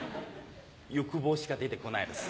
欲望しか出て来ないです。